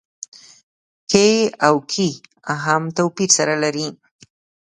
کې او کي هم توپير سره لري.